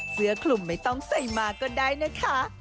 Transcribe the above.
เสื้อคลุมไม่ต้องใส่มาก็ได้นะคะ